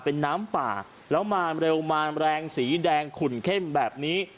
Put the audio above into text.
เป็นน้ำป่าแล้วมาเร็วมาแรงสีแดงขุ่นเข้มแบบนี้